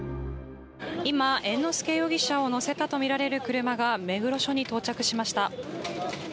今、猿之助容疑者を乗せたとみられる車が目黒署に到着しました。